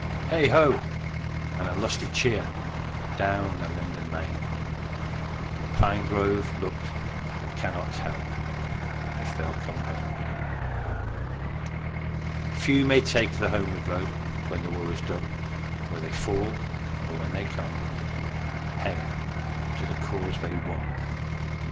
Heigh ho! And a lusty cheer, Down the linden lane: The pine grove looked but cannot tell If they'll come home again. Few may take the homeward road When the war is done: Where they fall or when they come, Hail, to the cause they won.